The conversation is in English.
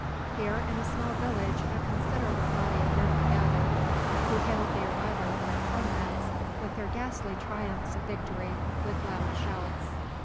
Here, in a small village, a considerable body of men were gathered; who hailed the arrival of their comrades, with their ghastly triumphs of victory, with loud shouts.